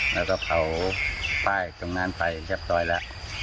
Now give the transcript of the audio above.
แล้วก็เผาป้ายตรงนั้นไปเรียบร้อยแล้ว